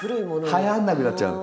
はやんなくなっちゃう。